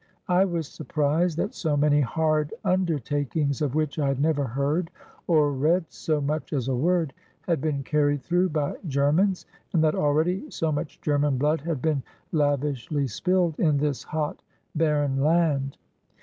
I was surprised that so many hard undertakings, of which I had never heard or read so much as a word, had been carried through by Germans, and that already so much German blood had been lavishly spilled in this hot, barren land.